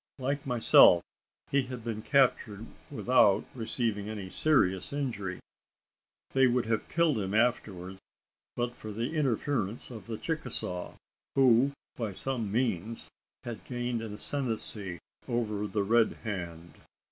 Like myself, he had been captured without receiving any serious injury. They would have killed him afterwards, but for the interference of the Chicasaw, who, by some means, had gained an ascendancy over the Red Hand!